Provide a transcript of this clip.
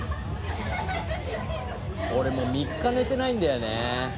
俺もう３日寝てないんだよね。